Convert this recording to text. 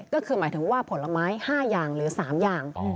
ก็คือหมายถึงว่าผลไม้๕อย่างหรือ๓อย่าง